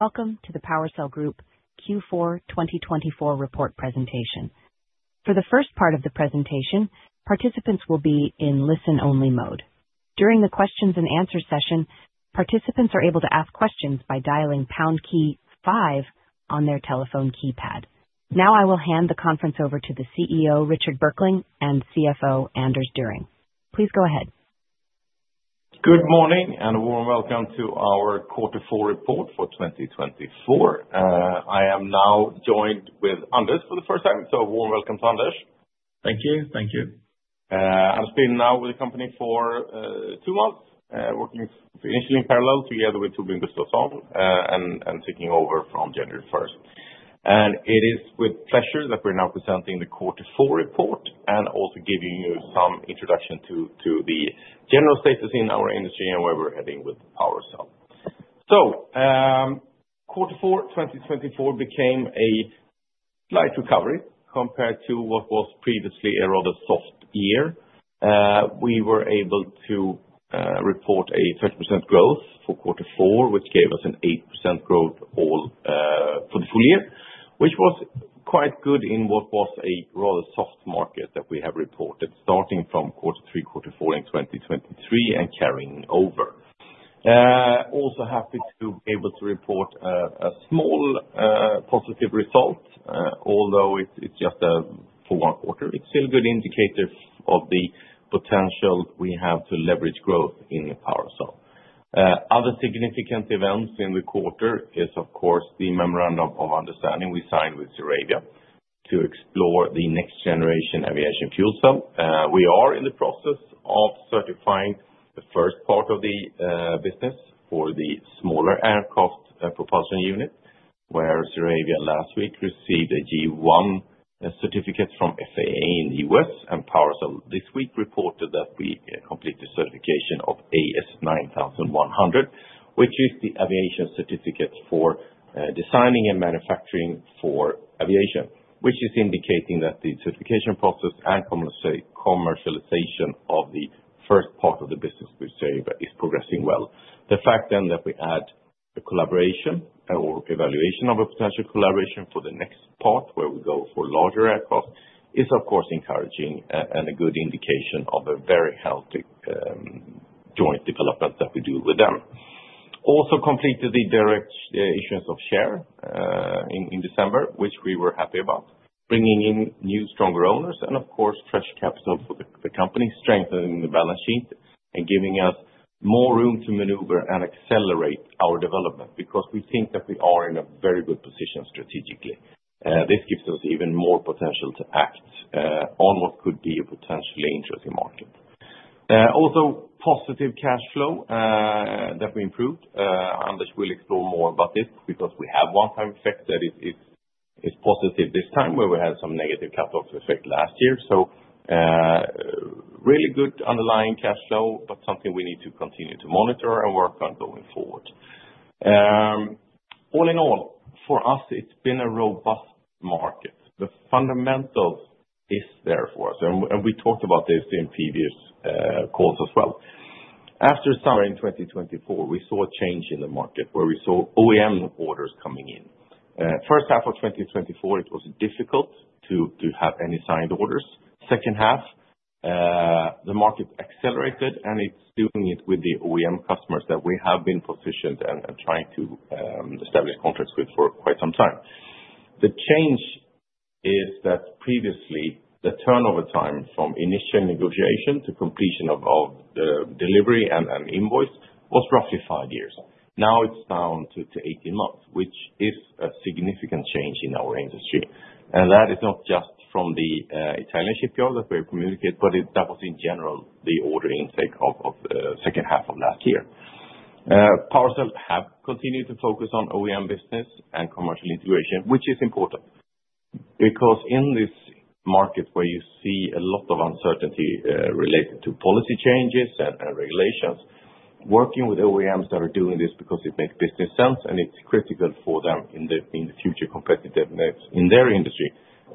Welcome to the PowerCell Group Q4 2024 report presentation. For the first part of the presentation, participants will be in listen-only mode. During the Q&A session, participants are able to ask questions by dialing #5 on their telephone keypad. Now I will hand the conference over to the CEO, Richard Berkling, and CFO, Anders Düring. Please go ahead. Good morning and a warm welcome to our Q4 report for 2024. I am now joined with Anders for the first time, so a warm welcome to Anders. Thank you. Thank you. Anders Düring has been now with the company for two months, working initially in parallel together with Torbjörn Gustafsson and taking over from January 1st. It is with pleasure that we're now presenting the Q4 report and also giving you some introduction to the general status in our industry and where we're heading with PowerCell. Q4 2024 became a slight recovery compared to what was previously a rather soft year. We were able to report a 30% growth for Q4, which gave us an 8% growth for the full year, which was quite good in what was a rather soft market that we have reported starting from Q3, Q4 in 2023 and carrying over. Also happy to be able to report a small positive result, although it's just for one quarter. It's still a good indicator of the potential we have to leverage growth in PowerCell. Other significant events in the quarter is, of course, the memorandum of understanding we signed with ZeroAvia to explore the next-generation aviation fuel cell. We are in the process of certifying the first part of the business for the smaller aircraft propulsion unit, where ZeroAvia last week received a G-1 certificate from FAA in the U.S., and PowerCell this week reported that we completed certification of AS 9100, which is the aviation certificate for designing and manufacturing for aviation, which is indicating that the certification process and commercialization of the first part of the business with ZeroAvia is progressing well. The fact then that we add a collaboration or evaluation of a potential collaboration for the next part, where we go for larger aircraft, is, of course, encouraging and a good indication of a very healthy joint development that we do with them. Also completed the direct issuance of share in December, which we were happy about, bringing in new, stronger owners and, of course, fresh capital for the company, strengthening the balance sheet and giving us more room to maneuver and accelerate our development because we think that we are in a very good position strategically. This gives us even more potential to act on what could be a potentially interesting market. Also, positive cash flow that we improved. Anders will explore more about this because we have one-time effect that is positive this time, where we had some negative cut-off effect last year. Really good underlying cash flow, but something we need to continue to monitor and work on going forward. All in all, for us, it has been a robust market. The fundamentals are there for us, and we talked about this in previous calls as well. After summer in 2024, we saw a change in the market where we saw OEM orders coming in. First half of 2024, it was difficult to have any signed orders. Second half, the market accelerated, and it's doing it with the OEM customers that we have been positioned and trying to establish contracts with for quite some time. The change is that previously the turnover time from initial negotiation to completion of the delivery and invoice was roughly five years. Now it's down to 18 months, which is a significant change in our industry. That is not just from the Italian shipyard that we communicate, but that was in general the order intake of the second half of last year. PowerCell has continued to focus on OEM business and commercial integration, which is important because in this market where you see a lot of uncertainty related to policy changes and regulations, working with OEMs that are doing this because it makes business sense and it's critical for them in the future competitive in their industry,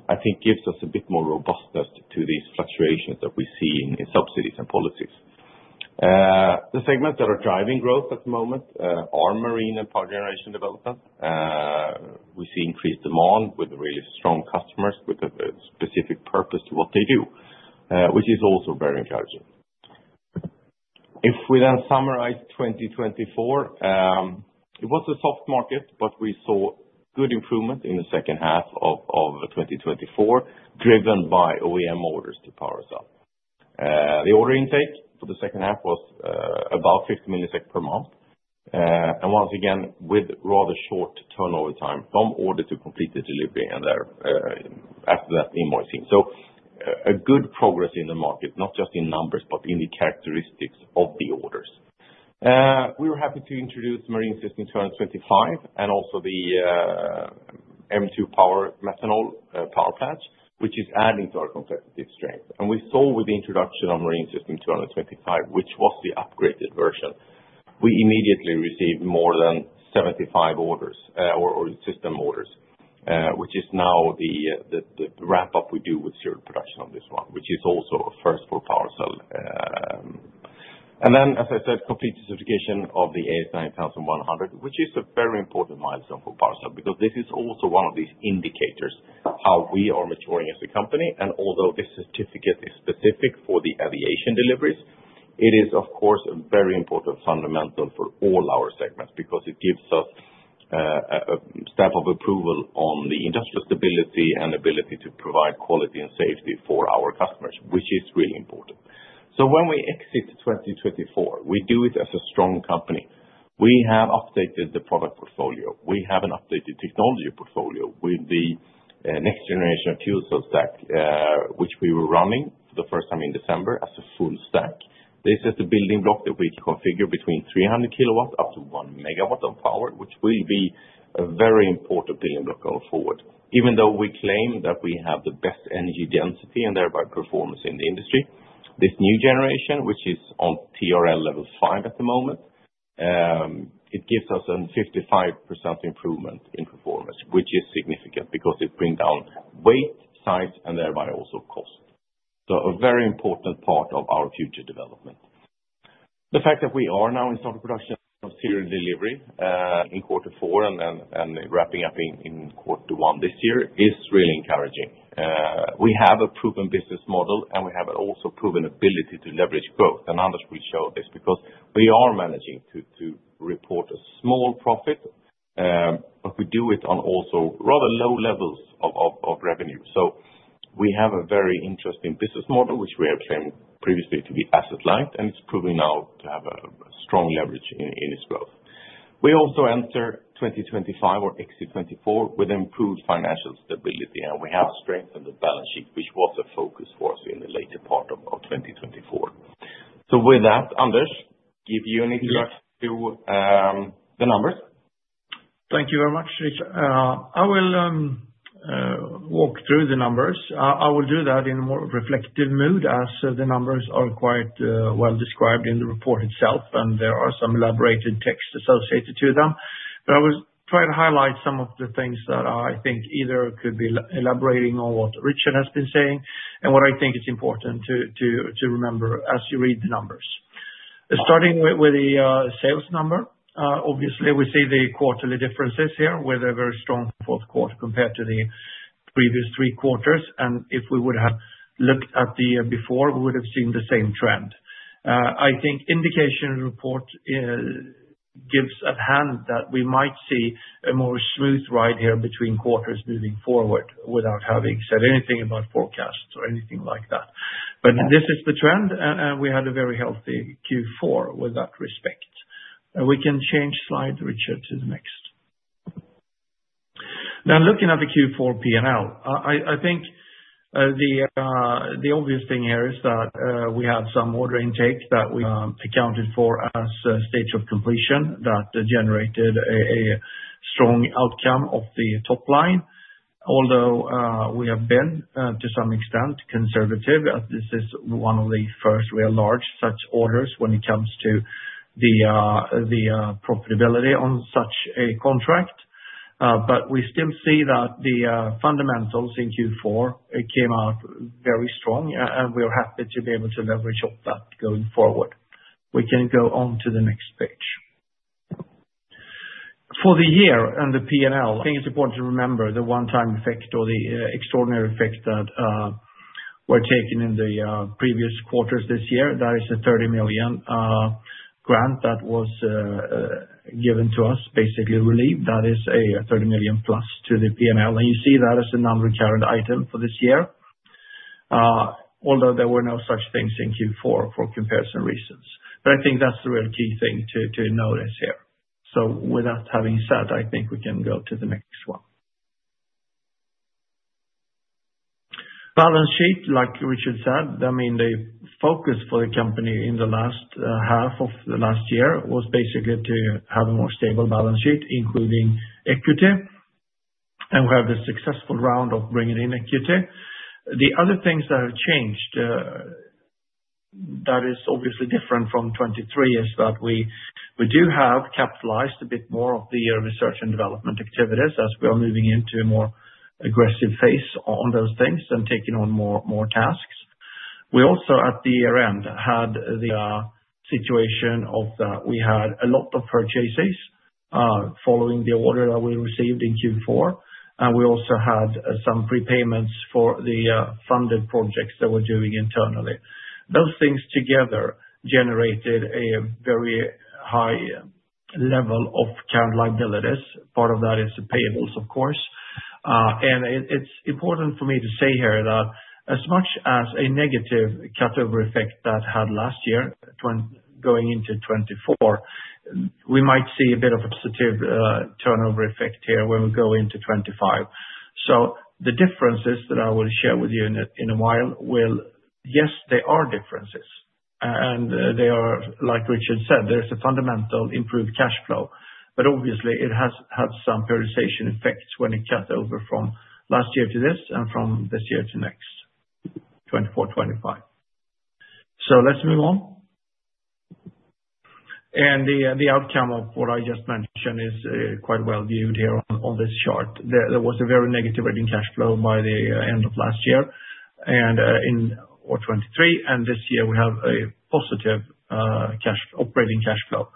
I think gives us a bit more robustness to these fluctuations that we see in subsidies and policies. The segments that are driving growth at the moment are marine and power generation development. We see increased demand with really strong customers with a specific purpose to what they do, which is also very encouraging. If we then summarize 2024, it was a soft market, but we saw good improvement in the second half of 2024, driven by OEM orders to PowerCell. The order intake for the second half was about 50 million per month. Once again, with rather short turnover time, from order to complete the delivery and after that invoicing. A good progress in the market, not just in numbers, but in the characteristics of the orders. We were happy to introduce Marine System 225 and also the M2 Power Methanol Power Pack, which is adding to our competitive strength. We saw with the introduction of Marine System 225, which was the upgraded version, we immediately received more than 75 orders or system orders, which is now the wrap-up we do with serial production on this one, which is also a first for PowerCell. As I said, complete certification of the AS 9100, which is a very important milestone for PowerCell because this is also one of these indicators of how we are maturing as a company. Although this certificate is specific for the aviation deliveries, it is, of course, a very important fundamental for all our segments because it gives us a step of approval on the industrial stability and ability to provide quality and safety for our customers, which is really important. When we exit 2024, we do it as a strong company. We have updated the product portfolio. We have an updated technology portfolio with the next-generation fuel cell stack, which we were running for the first time in December as a full stack. This is the building block that we configure between 300 kW up to 1 MW of power, which will be a very important building block going forward. Even though we claim that we have the best energy density and thereby performance in the industry, this new generation, which is on TRL level five at the moment, gives us a 55% improvement in performance, which is significant because it brings down weight, size, and thereby also cost. A very important part of our future development. The fact that we are now in start of production of serial delivery in Q4 and wrapping up in Q1 this year is really encouraging. We have a proven business model, and we have also proven ability to leverage growth. Anders will show this because we are managing to report a small profit, but we do it on also rather low levels of revenue. We have a very interesting business model, which we have claimed previously to be asset-light, and it's proving now to have a strong leverage in its growth. We also enter 2025 or exit 2024 with improved financial stability, and we have strengthened the balance sheet, which was a focus for us in the later part of 2024. With that, Anders, give you an introduction to the numbers. Thank you very much, Richard. I will walk through the numbers. I will do that in a more reflective mood as the numbers are quite well described in the report itself, and there are some elaborated texts associated to them. I will try to highlight some of the things that I think either could be elaborating on what Richard has been saying and what I think is important to remember as you read the numbers. Starting with the sales number, obviously, we see the quarterly differences here with a very strong fourth quarter compared to the previous three quarters. If we would have looked at the year before, we would have seen the same trend. I think the indication report gives at hand that we might see a more smooth ride here between quarters moving forward without having said anything about forecasts or anything like that. This is the trend, and we had a very healthy Q4 with that respect. We can change slide, Richard, to the next. Now, looking at the Q4 P&L, I think the obvious thing here is that we have some order intake that we accounted for as a stage of completion that generated a strong outcome of the top line, although we have been to some extent conservative. This is one of the first real large such orders when it comes to the profitability on such a contract. We still see that the fundamentals in Q4 came out very strong, and we are happy to be able to leverage up that going forward. We can go on to the next page. For the year and the P&L, I think it's important to remember the one-time effect or the extraordinary effect that we're taking in the previous quarters this year. That is a 30 million grant that was given to us, basically relief. That is a 30 million plus to the P&L. You see that as a non-recurrent item for this year, although there were no such things in Q4 for comparison reasons. I think that's the real key thing to notice here. With that having said, I think we can go to the next one. Balance sheet, like Richard said, I mean, the focus for the company in the last half of the last year was basically to have a more stable balance sheet, including equity. We had a successful round of bringing in equity. The other things that have changed that is obviously different from 2023 is that we do have capitalized a bit more of the research and development activities as we are moving into a more aggressive phase on those things and taking on more tasks. We also, at the year end, had the situation of that we had a lot of purchases following the order that we received in Q4. We also had some prepayments for the funded projects that we're doing internally. Those things together generated a very high level of current liabilities. Part of that is payables, of course. It is important for me to say here that as much as a negative cutover effect that had last year going into 2024, we might see a bit of a positive turnover effect here when we go into 2025. The differences that I will share with you in a while will, yes, there are differences. They are, like Richard said, there is a fundamental improved cash flow. Obviously, it has had some prioritization effects when it cut over from last year to this and from this year to next, 2024, 2025. Let's move on. The outcome of what I just mentioned is quite well viewed here on this chart. There was a very negative operating cash flow by the end of last year or 2023. This year, we have a positive operating cash flow.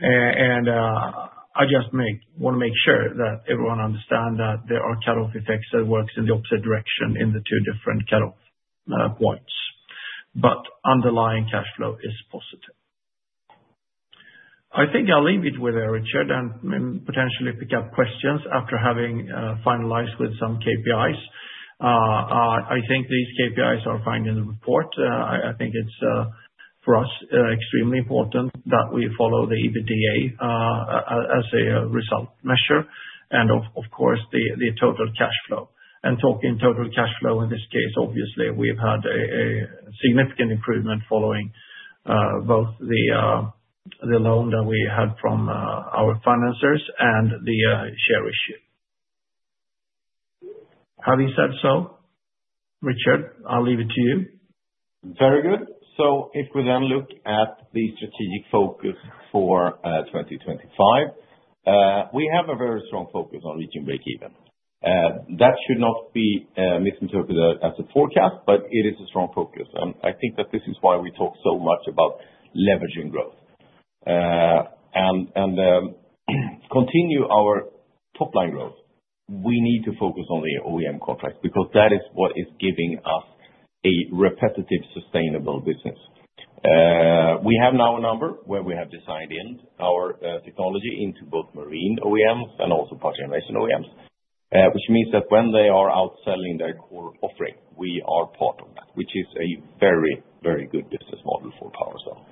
I just want to make sure that everyone understands that there are cut-off effects that work in the opposite direction in the two different cut-off points. Underlying cash flow is positive. I think I'll leave it with Richard and potentially pick up questions after having finalized with some KPIs. I think these KPIs are fine in the report. I think it's, for us, extremely important that we follow the EBITDA as a result measure and, of course, the total cash flow. Talking total cash flow in this case, obviously, we've had a significant improvement following both the loan that we had from our financers and the share issue. Have you said so, Richard? I'll leave it to you. Very good. If we then look at the strategic focus for 2025, we have a very strong focus on reaching break-even. That should not be misinterpreted as a forecast, but it is a strong focus. I think that this is why we talk so much about leveraging growth. To continue our top-line growth, we need to focus on the OEM contract because that is what is giving us a repetitive, sustainable business. We have now a number where we have designed in our technology into both marine OEMs and also power generation OEMs, which means that when they are outselling their core offering, we are part of that, which is a very, very good business model for PowerCell.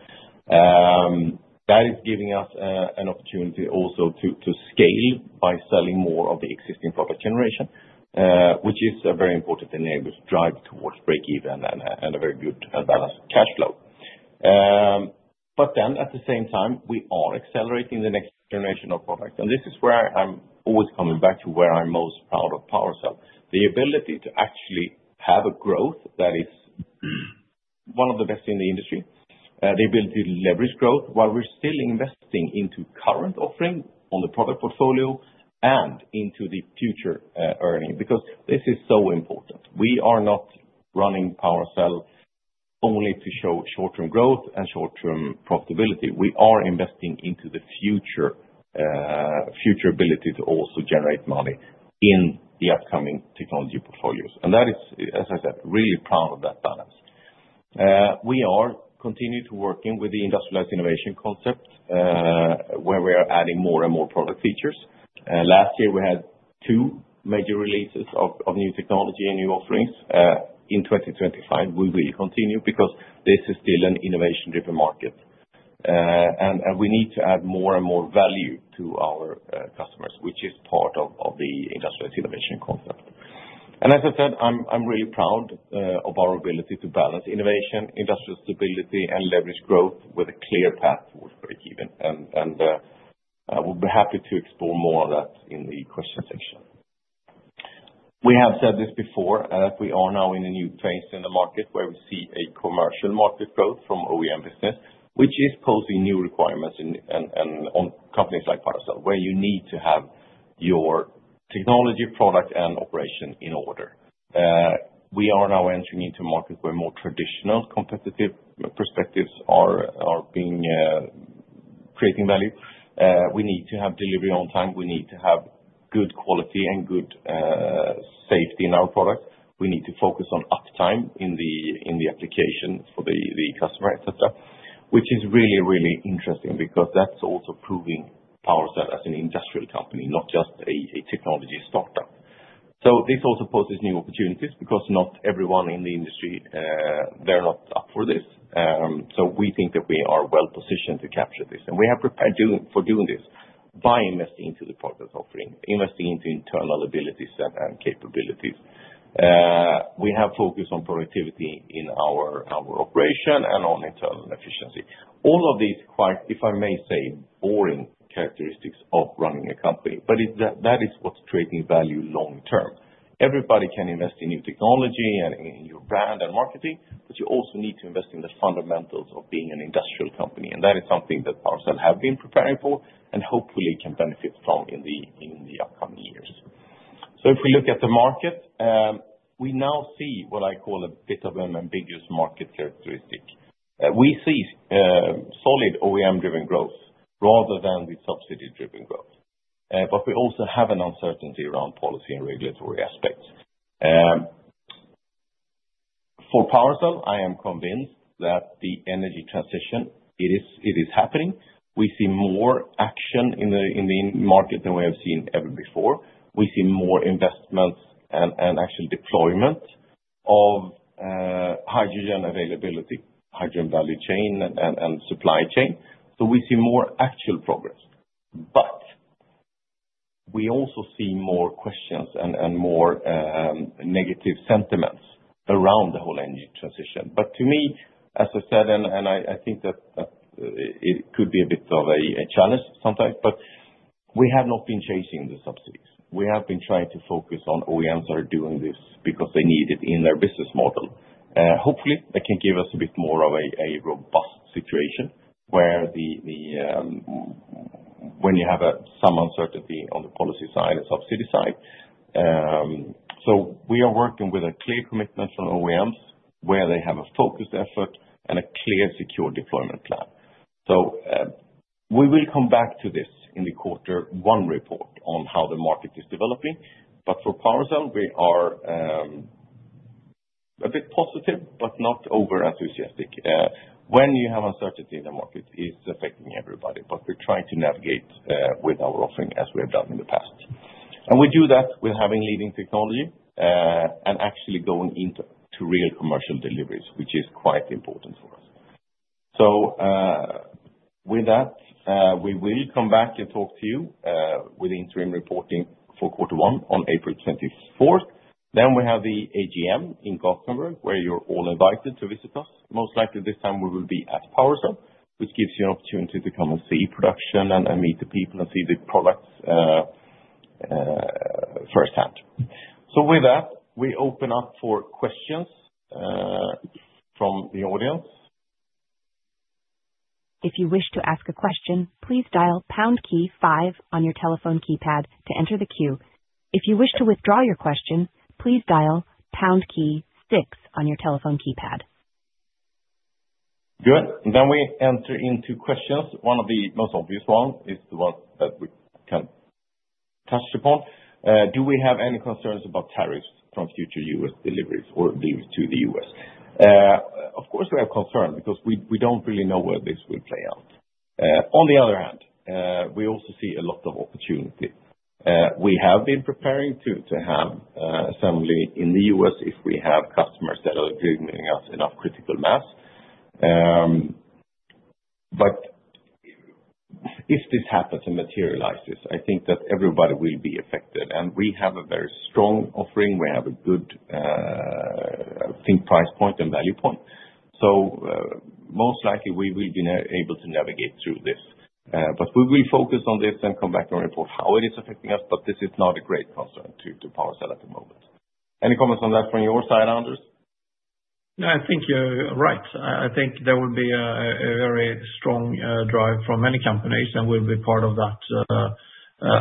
That is giving us an opportunity also to scale by selling more of the existing product generation, which is a very important enabler to drive towards break-even and a very good balanced cash flow. At the same time, we are accelerating the next generation of product. This is where I'm always coming back to where I'm most proud of PowerCell. The ability to actually have a growth that is one of the best in the industry, the ability to leverage growth while we're still investing into current offering on the product portfolio and into the future earning because this is so important. We are not running PowerCell only to show short-term growth and short-term profitability. We are investing into the future ability to also generate money in the upcoming technology portfolios. That is, as I said, really proud of that balance. We are continuing to work with the industrialized innovation concept where we are adding more and more product features. Last year, we had two major releases of new technology and new offerings. In 2025, we will continue because this is still an innovation-driven market. We need to add more and more value to our customers, which is part of the industrialized innovation concept. As I said, I'm really proud of our ability to balance innovation, industrial stability, and leverage growth with a clear path towards break-even. We will be happy to explore more of that in the question section. We have said this before, that we are now in a new phase in the market where we see a commercial market growth from OEM business, which is posing new requirements on companies like PowerCell, where you need to have your technology, product, and operation in order. We are now entering into a market where more traditional competitive perspectives are creating value. We need to have delivery on time. We need to have good quality and good safety in our product. We need to focus on uptime in the application for the customer, etc., which is really, really interesting because that's also proving PowerCell as an industrial company, not just a technology startup. This also poses new opportunities because not everyone in the industry, they're not up for this. We think that we are well positioned to capture this. We have prepared for doing this by investing into the product offering, investing into internal abilities and capabilities. We have focused on productivity in our operation and on internal efficiency. All of these are quite, if I may say, boring characteristics of running a company. That is what's creating value long term. Everybody can invest in new technology and in your brand and marketing, but you also need to invest in the fundamentals of being an industrial company. That is something that PowerCell has been preparing for and hopefully can benefit from in the upcoming years. If we look at the market, we now see what I call a bit of an ambiguous market characteristic. We see solid OEM-driven growth rather than the subsidy-driven growth. We also have an uncertainty around policy and regulatory aspects. For PowerCell, I am convinced that the energy transition, it is happening. We see more action in the market than we have seen ever before. We see more investments and actual deployment of hydrogen availability, hydrogen value chain, and supply chain. We see more actual progress. We also see more questions and more negative sentiments around the whole energy transition. To me, as I said, I think that it could be a bit of a challenge sometimes, but we have not been chasing the subsidies. We have been trying to focus on OEMs that are doing this because they need it in their business model. Hopefully, that can give us a bit more of a robust situation when you have some uncertainty on the policy side and subsidy side. We are working with a clear commitment from OEMs where they have a focused effort and a clear secure deployment plan. We will come back to this in the quarter one report on how the market is developing. For PowerCell, we are a bit positive, but not over-enthusiastic. When you have uncertainty in the market, it's affecting everybody. We're trying to navigate with our offering as we have done in the past. We do that with having leading technology and actually going into real commercial deliveries, which is quite important for us. With that, we will come back and talk to you with interim reporting for quarter one on April 24th. We have the AGM in Gothenburg where you're all invited to visit us. Most likely this time, we will be at PowerCell, which gives you an opportunity to come and see production and meet the people and see the products firsthand. With that, we open up for questions from the audience. If you wish to ask a question, please dial pound key five on your telephone keypad to enter the queue. If you wish to withdraw your question, please dial pound key six on your telephone keypad. Good. We enter into questions. One of the most obvious ones is the ones that we can touch upon. Do we have any concerns about tariffs from future U.S. deliveries or deliveries to the U.S.? Of course, we have concerns because we do not really know where this will play out. On the other hand, we also see a lot of opportunity. We have been preparing to have assembly in the U.S. if we have customers that are delivering us enough critical mass. If this happens and materializes, I think that everybody will be affected. We have a very strong offering. We have a good, I think, price point and value point. Most likely, we will be able to navigate through this. We will focus on this and come back and report how it is affecting us. This is not a great concern to PowerCell at the moment. Any comments on that from your side, Anders? No, I think you're right. I think there will be a very strong drive from many companies and will be part of that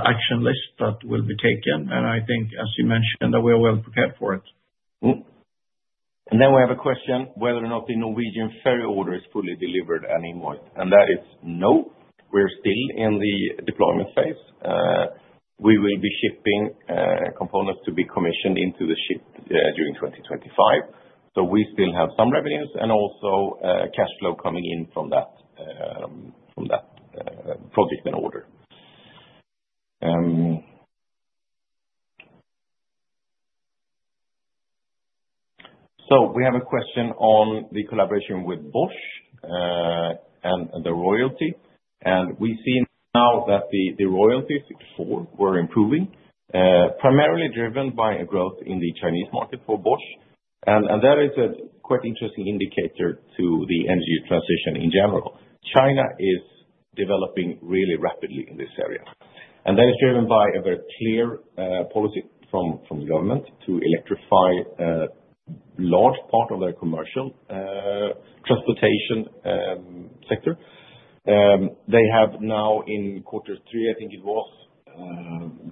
action list that will be taken. I think, as you mentioned, that we are well prepared for it. We have a question whether or not the Norwegian ferry order is fully delivered and invoiced. That is no. We're still in the deployment phase. We will be shipping components to be commissioned into the ship during 2025. We still have some revenues and also cash flow coming in from that project and order. We have a question on the collaboration with Bosch and the royalty. We see now that the royalties were improving, primarily driven by growth in the Chinese market for Bosch. That is a quite interesting indicator to the energy transition in general. China is developing really rapidly in this area. That is driven by a very clear policy from the government to electrify a large part of their commercial transportation sector. They have now, in quarter three, I think it was,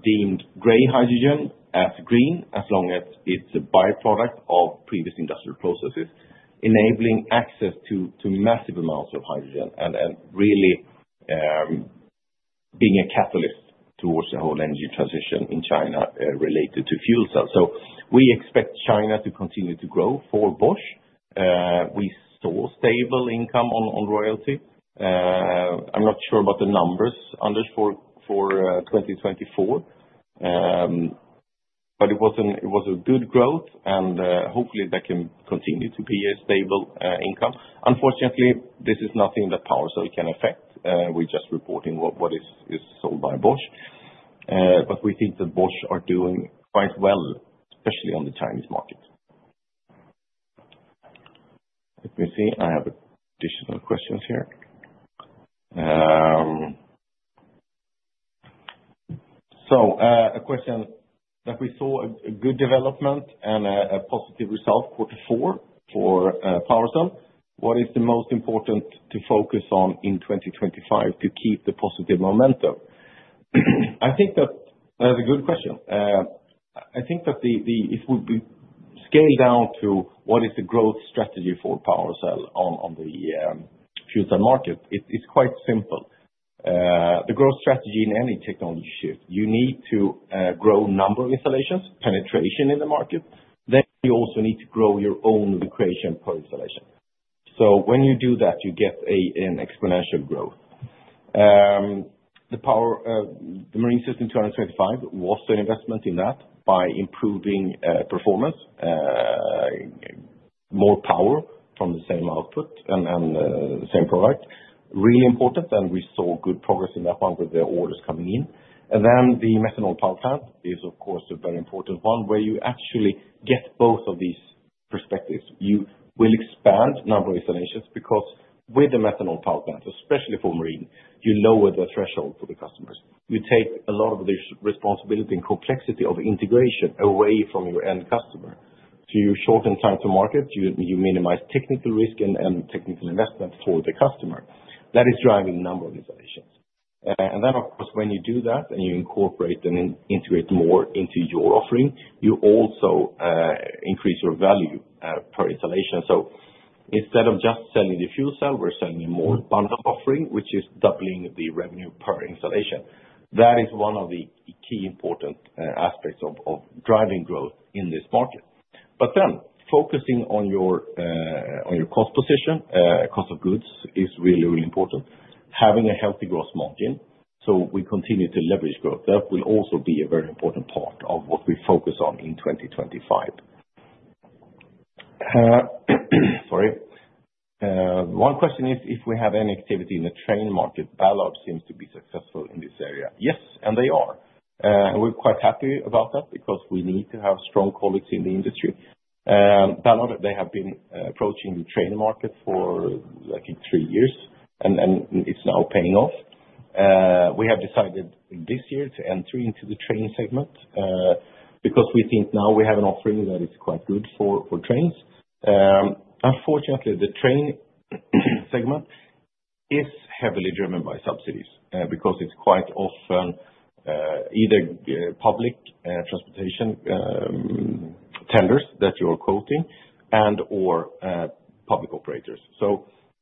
deemed gray hydrogen as green as long as it's a byproduct of previous industrial processes, enabling access to massive amounts of hydrogen and really being a catalyst towards the whole energy transition in China related to fuel cells. We expect China to continue to grow. For Bosch, we saw stable income on royalty. I'm not sure about the numbers, Anders, for 2024, but it was a good growth. Hopefully, that can continue to be a stable income. Unfortunately, this is nothing that PowerCell can affect. We're just reporting what is sold by Bosch. We think that Bosch is doing quite well, especially on the Chinese market. Let me see. I have additional questions here. A question that we saw a good development and a positive result, quarter four for PowerCell. What is the most important to focus on in 2025 to keep the positive momentum? I think that that's a good question. I think that if we scale down to what is the growth strategy for PowerCell on the fuel cell market, it's quite simple. The growth strategy in any technology shift, you need to grow number of installations, penetration in the market. Then you also need to grow your own creation per installation. So when you do that, you get an exponential growth. The Marine System 225 was an investment in that by improving performance, more power from the same output and the same product. Really important. We saw good progress in that one with the orders coming in. The methanol power plant is, of course, a very important one where you actually get both of these perspectives. You will expand number of installations because with the methanol power plant, especially for marine, you lower the threshold for the customers. You take a lot of the responsibility and complexity of integration away from your end customer. You shorten time to market. You minimize technical risk and technical investment for the customer. That is driving a number of installations. When you do that and you incorporate and integrate more into your offering, you also increase your value per installation. Instead of just selling the fuel cell, we're selling a more bundled offering, which is doubling the revenue per installation. That is one of the key important aspects of driving growth in this market. Focusing on your cost position, cost of goods is really, really important. Having a healthy gross margin so we continue to leverage growth. That will also be a very important part of what we focus on in 2025. Sorry. One question is if we have any activity in the train market, Ballard seems to be successful in this area. Yes, and they are. We are quite happy about that because we need to have strong colleagues in the industry. Ballard, they have been approaching the train market for, I think, three years, and it is now paying off. We have decided this year to enter into the train segment because we think now we have an offering that is quite good for trains. Unfortunately, the train segment is heavily driven by subsidies because it is quite often either public transportation tenders that you are quoting and/or public operators.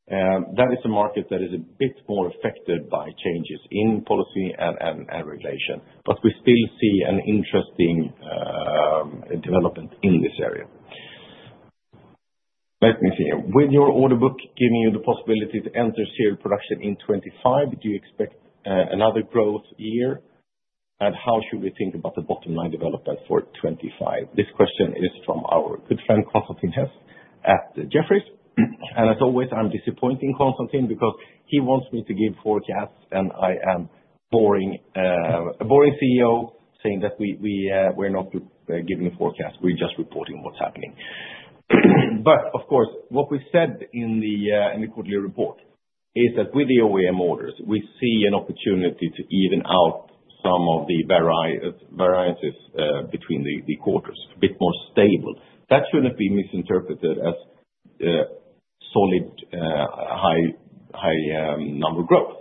That is a market that is a bit more affected by changes in policy and regulation. We still see an interesting development in this area. Let me see. With your order book giving you the possibility to enter serial production in 2025, do you expect another growth year? How should we think about the bottom line development for 2025? This question is from our good friend, Constantin Hesse, at Jefferies. As always, I'm disappointing Constantin because he wants me to give forecasts, and I am a boring CEO saying that we're not giving a forecast. We're just reporting what's happening. Of course, what we said in the quarterly report is that with the OEM orders, we see an opportunity to even out some of the variances between the quarters, a bit more stable. That shouldn't be misinterpreted as solid high number growth.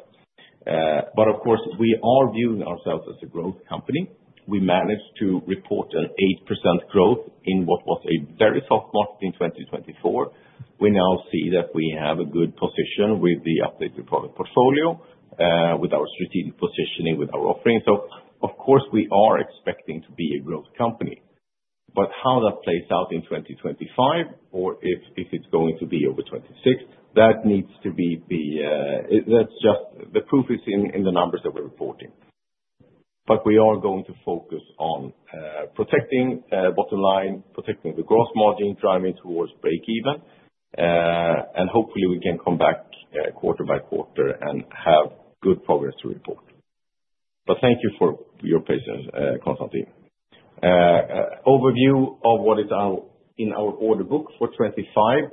Of course, we are viewing ourselves as a growth company. We managed to report an 8% growth in what was a very soft market in 2024. We now see that we have a good position with the updated product portfolio, with our strategic positioning, with our offering. Of course, we are expecting to be a growth company. How that plays out in 2025, or if it is going to be over 2026, that needs to be the proof is in the numbers that we are reporting. We are going to focus on protecting bottom line, protecting the gross margin, driving towards breakeven. Hopefully, we can come back quarter by quarter and have good progress to report. Thank you for your patience, Constantin. Overview of what is in our order book for 2025.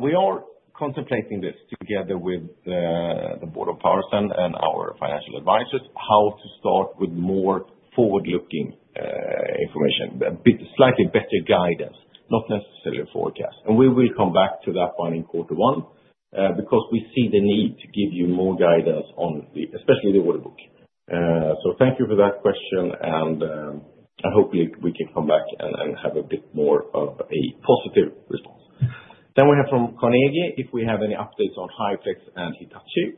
We are contemplating this together with the board of PowerCell and our financial advisors how to start with more forward-looking information, a bit slightly better guidance, not necessarily a forecast. We will come back to that one in quarter one because we see the need to give you more guidance on especially the order book. Thank you for that question. Hopefully, we can come back and have a bit more of a positive response. We have from Carnegie, if we have any updates on HyFlex and Hitachi.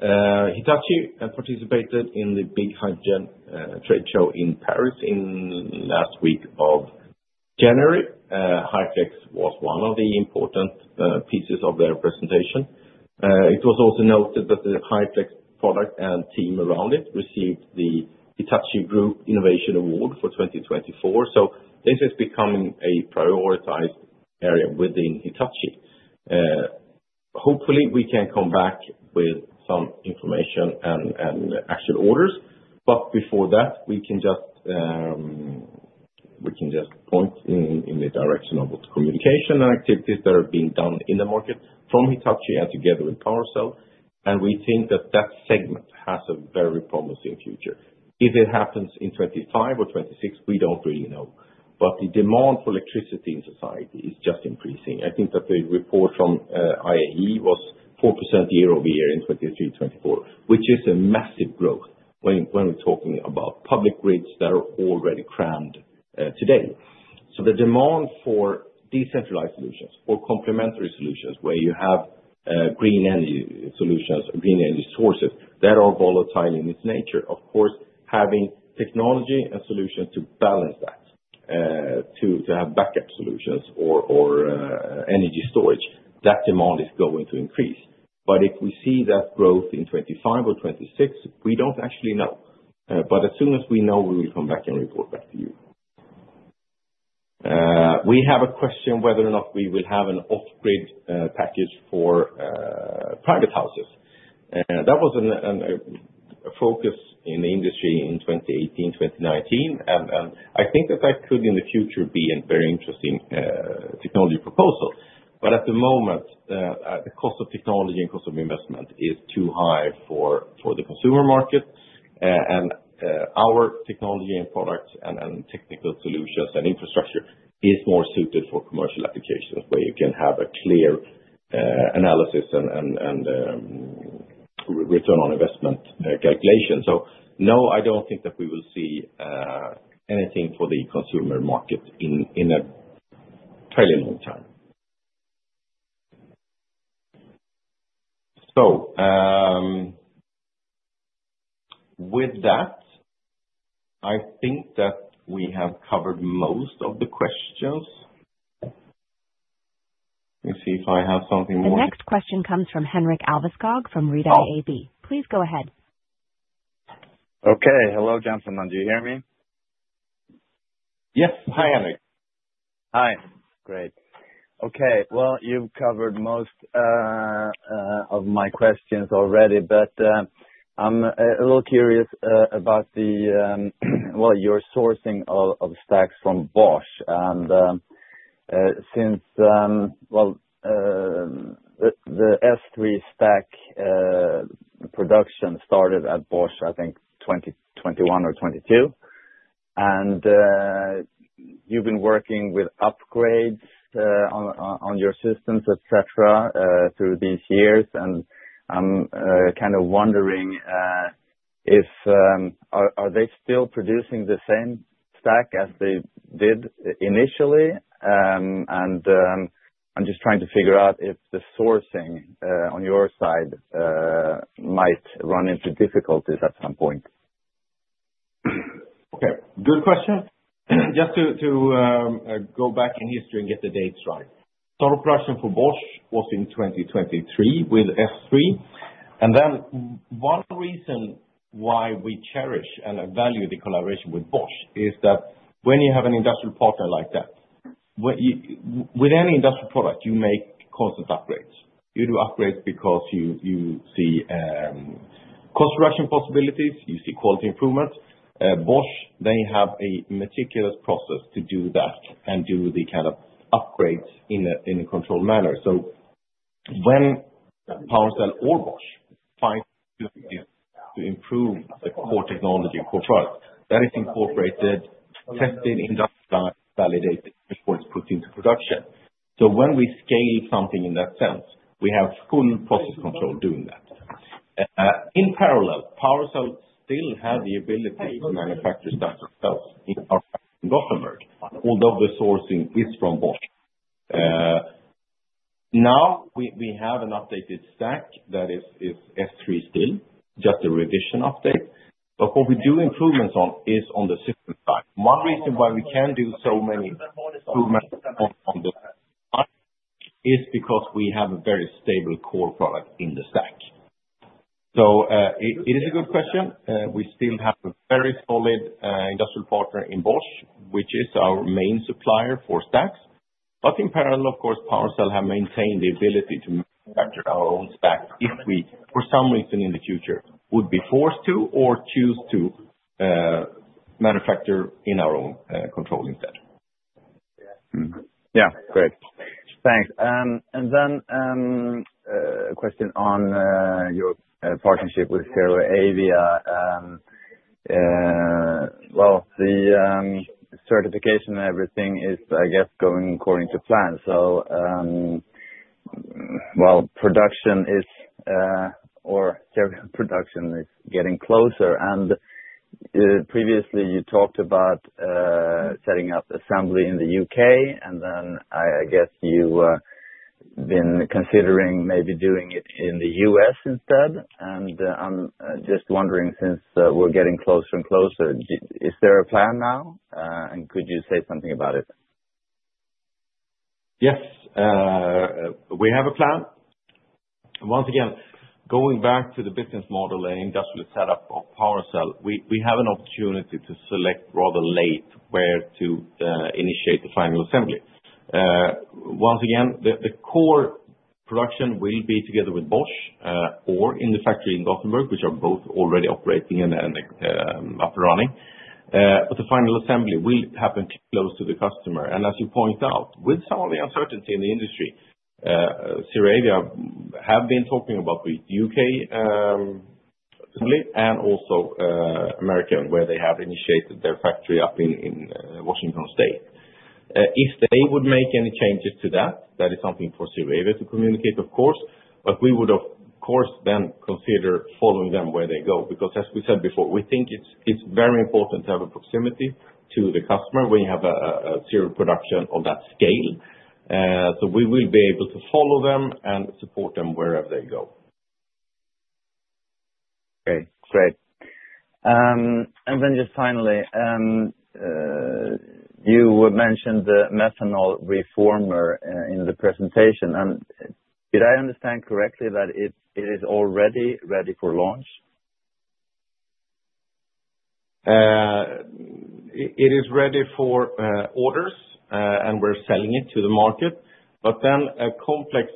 Hitachi participated in the big hydrogen trade show in Paris last week of January. HyFlex was one of the important pieces of their presentation. It was also noted that the HyFlex product and team around it received the Hitachi Group Innovation Award for 2024. This is becoming a prioritized area within Hitachi. Hopefully, we can come back with some information and actual orders. Before that, we can just point in the direction of communication and activities that are being done in the market from Hitachi and together with PowerCell. We think that that segment has a very promising future. If it happens in 2025 or 2026, we do not really know. The demand for electricity in society is just increasing. I think that the report from IEA was 4% year over year in 2023, 2024, which is a massive growth when we are talking about public grids that are already crammed today. The demand for decentralized solutions, for complementary solutions where you have green energy solutions, green energy sources that are volatile in its nature, of course, having technology and solutions to balance that, to have backup solutions or energy storage, that demand is going to increase. If we see that growth in 2025 or 2026, we do not actually know. As soon as we know, we will come back and report back to you. We have a question whether or not we will have an off-grid package for private houses. That was a focus in the industry in 2018, 2019. I think that that could, in the future, be a very interesting technology proposal. At the moment, the cost of technology and cost of investment is too high for the consumer market. Our technology and products and technical solutions and infrastructure is more suited for commercial applications where you can have a clear analysis and return on investment calculation. No, I do not think that we will see anything for the consumer market in a fairly long time. With that, I think that we have covered most of the questions. Let me see if I have something more. The next question comes from Henrik Alveskog from Redeye AB. Please go ahead. Okay. Hello, gentlemen. Do you hear me? Yes. Hi, Henrik. Hi. Great. Okay. You have covered most of my questions already, but I am a little curious about your sourcing of stacks from Bosch. Since the S3 stack production started at Bosch, I think 2021 or 2022, and you have been working with upgrades on your systems, etc., through these years. I am kind of wondering if they are still producing the same stack as they did initially. I am just trying to figure out if the sourcing on your side might run into difficulties at some point. Okay. Good question. Just to go back in history and get the dates right, total production for Bosch was in 2023 with S3. One reason why we cherish and value the collaboration with Bosch is that when you have an industrial partner like that, with any industrial product, you make constant upgrades. You do upgrades because you see cost reduction possibilities, you see quality improvements. Bosch may have a meticulous process to do that and do the kind of upgrades in a controlled manner. When PowerCell or Bosch finds a way to improve the core technology for products, that is incorporated, tested in that design, validated before it's put into production. When we scale something in that sense, we have full process control doing that. In parallel, PowerCell still has the ability to manufacture stacks themselves in our factory in Gothenburg, although the sourcing is from Bosch. Now we have an updated stack that is S3 still, just a revision update. What we do improvements on is on the system side. One reason why we can do so many improvements on the stack is because we have a very stable core product in the stack. It is a good question. We still have a very solid industrial partner in Bosch, which is our main supplier for stacks. In parallel, of course, PowerCell has maintained the ability to manufacture our own stack if we, for some reason in the future, would be forced to or choose to manufacture in our own control instead. Yeah. Great. Thanks. A question on your partnership with ZeroAvia. The certification and everything is, I guess, going according to plan. While production is getting closer. Previously, you talked about setting up assembly in the U.K., and I guess you've been considering maybe doing it in the U.S. instead. I'm just wondering, since we're getting closer and closer, is there a plan now? Could you say something about it? Yes. We have a plan. Once again, going back to the business model and industrial setup of PowerCell, we have an opportunity to select rather late where to initiate the final assembly. Once again, the core production will be together with Bosch or in the factory in Gothenburg, which are both already operating and up and running. The final assembly will happen close to the customer. As you point out, with some of the uncertainty in the industry, ZeroAvia have been talking about the U.K. assembly and also American, where they have initiated their factory up in Washington State. If they would make any changes to that, that is something for ZeroAvia to communicate, of course. We would, of course, then consider following them where they go because, as we said before, we think it's very important to have a proximity to the customer when you have a serial production on that scale. We will be able to follow them and support them wherever they go. Okay. Great. Finally, you mentioned the methanol reformer in the presentation. Did I understand correctly that it is already ready for launch? It is ready for orders, and we're selling it to the market. A complex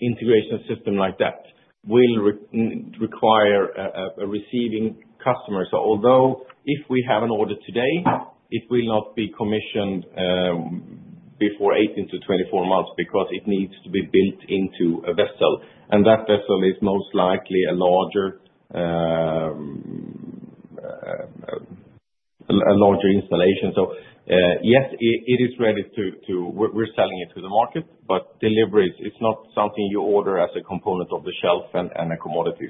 integration system like that will require receiving customers. Although if we have an order today, it will not be commissioned before 18-24 months because it needs to be built into a vessel. That vessel is most likely a larger installation. Yes, it is ready to, we're selling it to the market, but delivery, it's not something you order as a component off the shelf and a commodity.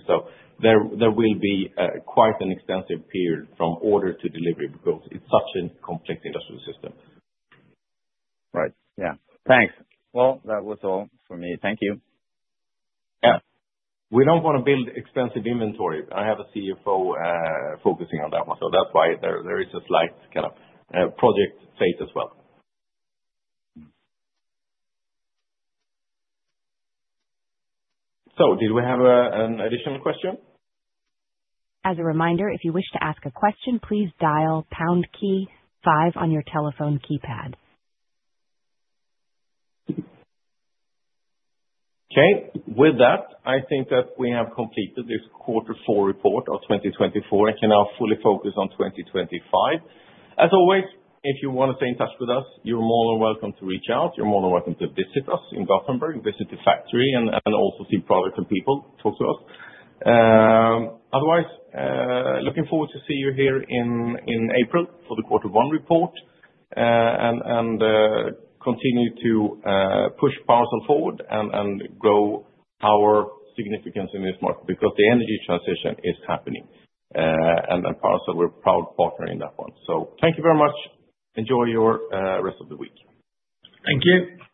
There will be quite an extensive period from order to delivery because it's such a complex industrial system. Right. Yeah. Thanks. That was all for me. Thank you. Yeah. We do not want to build expensive inventory. I have a CFO focusing on that one. That is why there is a slight kind of project phase as well. Did we have an additional question? As a reminder, if you wish to ask a question, please dial pound key five on your telephone keypad. Okay. With that, I think that we have completed this quarter four report of 2024 and can now fully focus on 2025. As always, if you want to stay in touch with us, you're more than welcome to reach out. You're more than welcome to visit us in Gothenburg, visit the factory, and also see products and people, talk to us. Otherwise, looking forward to see you here in April for the quarter one report and continue to push PowerCell forward and grow our significance in this market because the energy transition is happening. PowerCell, we're a proud partner in that one. Thank you very much. Enjoy your rest of the week. Thank you.